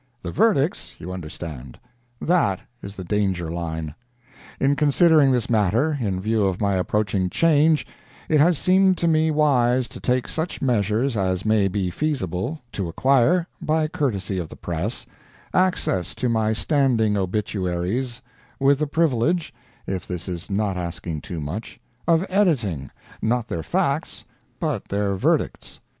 The Verdicts, you understand: that is the danger line. In considering this matter, in view of my approaching change, it has seemed to me wise to take such measures as may be feasible, to acquire, by courtesy of the press, access to my standing obituaries, with the privilege if this is not asking too much of editing, not their Facts, but their Verdicts.